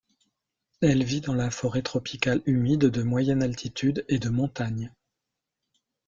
Elle vit dans la forêt tropicale humide de moyenne altitude et de montagne.